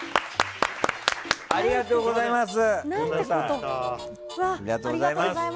ありがとうございます。